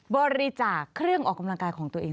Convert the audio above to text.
บริจาคเครื่องออกกำลังกายของตัวเอง